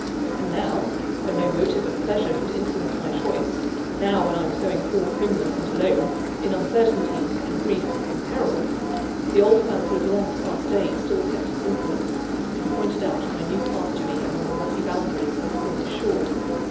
And now, when no motive of pleasure could influence my choice now, when I was going forth homeless and alone, in uncertainty, in grief, in peril the old fancy of long past days still kept its influence, and pointed out my new path to me among the rocky boundaries of the Cornish shore.